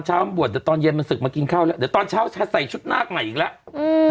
เดี๋ยวเช้าทางบวชจะใส่ชุดหน้ากายอีกแล้ว